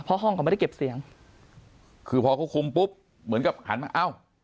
เพราะห้องเขาไม่ได้เก็บเสียงคือพอเขาคุมปุ๊บเหมือนกับหันมาเอ้า